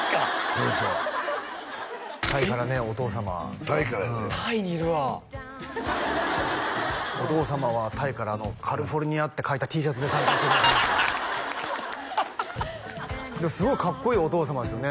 そうそうタイからねお父様タイにいるわお父様はタイから「ＣＡＬＩＦＯＲＮＩＡ」って書いたＴシャツで参加してくださいましたすごいかっこいいお父様ですよね